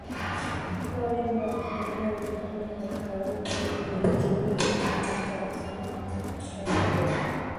kuwa wimbo wa Kipepeo ulikuwa haukauki vinywani mwa watu wazima kamwe na watoto wadogo